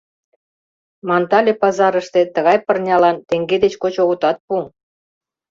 Мантале пазарыште тыгай пырнялан теҥге деч коч огытат пу.